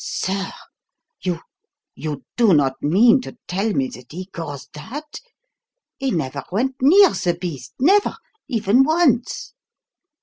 "Sir! You you do not mean to tell me that he caused that? He never went near the beast never even once."